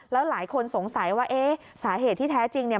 แล้วหลายคนสงสัยว่าเอ๊ะสาเหตุที่แท้จริงเนี่ย